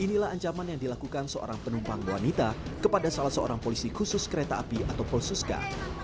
inilah ancaman yang dilakukan seorang penumpang wanita kepada salah seorang polisi khusus kereta api atau polsuska